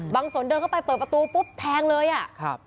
สนเดินเข้าไปเปิดประตูปุ๊บแทงเลยอ่ะครับ